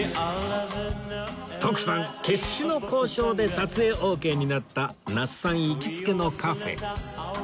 徳さん決死の交渉で撮影オーケーになった那須さん行きつけのカフェ